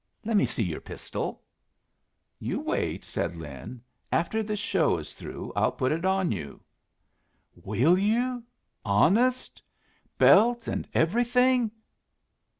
Lemme see your pistol." "You wait," said Lin. "After this show is through I'll put it on you." "Will you, honest? Belt an' everything?